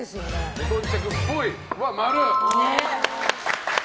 無頓着っぽいは○！